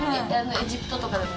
エジプトとかでも？